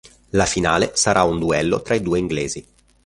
La finale sarà un duello tra i due inglesi.